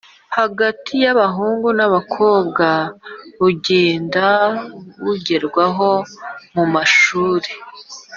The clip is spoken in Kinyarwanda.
hagati y’abahungu n’abakobwa bugenda bugerwaho mu mashuri.